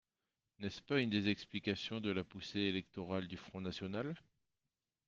N’est-ce pas une des explications de la poussée électorale du Front national?